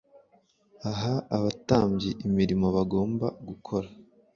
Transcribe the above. Aha abatambyi imirimo bagomba gukora